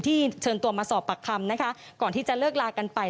เชิญตัวมาสอบปากคำนะคะก่อนที่จะเลิกลากันไป